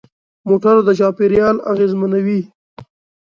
موټر د چاپېریال اغېزمنوي.